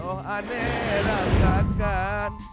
oh aneh rasakan